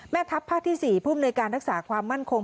แม่ทัพภาคที่๔ภูมิในการรักษาความมั่นคง